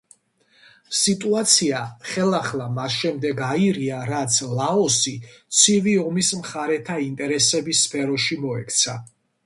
სიტუაცია ხელახლა მას შემდეგ აირია, რაც ლაოსი ცივი ომის მხარეთა ინტერესების სფეროში მოექცა.